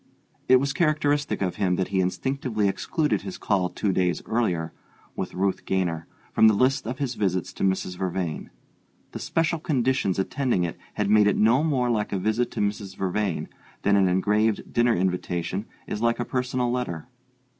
It was characteristic of him that he instinctively excluded his call two days earlier, with Ruth Gaynor, from the list of his visits to Mrs. Vervain: the special conditions attending it had made it no more like a visit to Mrs. Vervain than an engraved dinner invitation is like a personal letter.